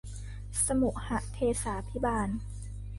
สมุหเทศาภิบาล